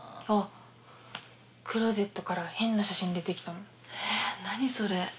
あっクローゼットから変な写真出てきたのえっ何それ？